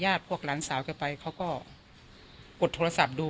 พ่อญาติพวกหลานสาวเข้าไปเขาก็กดโทรศัพท์ดู